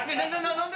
何で？